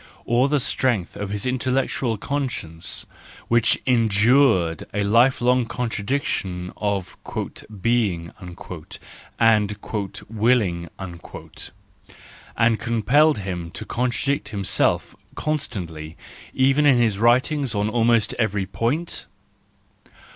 Or the strength of his intellectual conscience, which endured a life long contradiction of "being" and "willing," and compelled him to contradict himself constantly even in his writings on almost every point